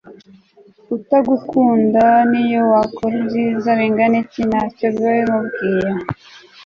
utagunda niyo wakora ibyiza binganiki ntacyo biba bimubwiye